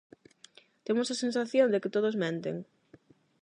Temos a sensación de que todos menten.